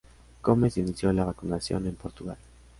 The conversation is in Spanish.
Gomes inició la vacunación en Portugal.